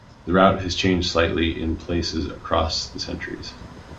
The route has changed slightly in places across the centuries.